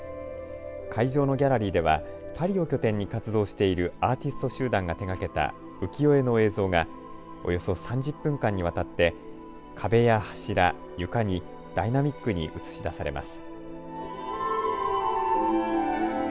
会場のギャラリーではパリを拠点に活動しているアーティスト集団が手がけた浮世絵の映像がおよそ３０分間にわたって壁や柱、床にダイナミックに映し出されます。